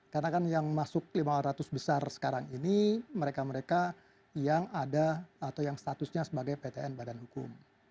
karena kan yang masuk lima ratus besar sekarang ini mereka mereka yang ada atau yang statusnya sebagai ptn badan hukum